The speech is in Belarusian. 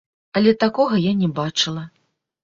Але такога я не бачыла.